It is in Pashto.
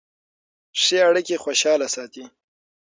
ښې اړیکې خوشحاله ساتي.